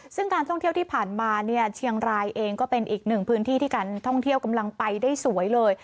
ซึ่งการท่องเที่ยวที่ผ่านมาเนี่ยเชียงรายเองก็เป็นอีกหนึ่งพื้นที่ที่การท่องเที่ยวกำลังไปได้สวยเลย